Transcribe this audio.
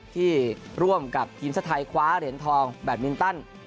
ที่ร่วมกับทีมชาติไทยคว้าเหรียญทองแบตมินตัน